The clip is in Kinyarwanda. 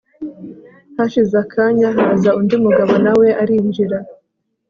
hashize akanya haza undi mugabo nawe arinjira